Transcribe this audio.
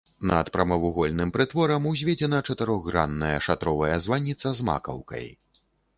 Над прамавугольным прытворам узведзена чатырохгранная шатровая званіца з макаўкай.